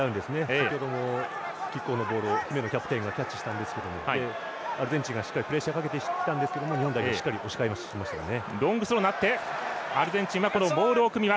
先ほど、キックを姫野キャプテンがキャッチしたんですけどアルゼンチンがプレッシャーをかけてきたんですけど日本代表しっかり対応しましたね。